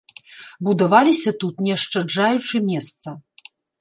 Будаваліся тут, не ашчаджаючы месца.